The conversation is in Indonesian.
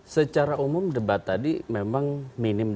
secara umum debat tadi memang minim